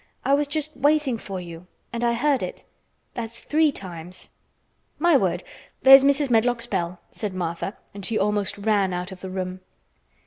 "I was just waiting for you—and I heard it. That's three times." "My word! There's Mrs. Medlock's bell," said Martha, and she almost ran out of the room.